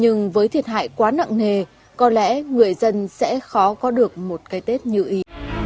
nhưng với thiệt hại quá nặng nề có lẽ người dân sẽ khó có được một cái tết như ý